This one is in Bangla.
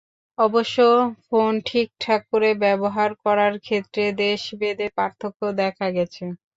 অবশ্য ফোন ঠিকঠাক করে ব্যবহার করার ক্ষেত্রে দেশভেদে পার্থক্য দেখা গেছে।